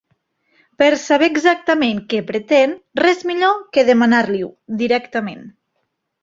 Per saber exactament què pretén, res millor que demanar-li-ho directament.